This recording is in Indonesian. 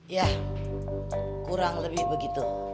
ya kurang lebih begitu